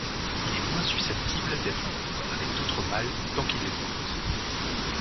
Il est moins susceptible d'être en groupe avec d'autres mâles tant qu'il les porte.